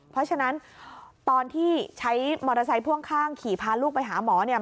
เพราะฉะนั้นตอนที่ใช้มอเตอร์ไซค์พ่วงข้างขี่พาลูกไปหาหมอเนี่ย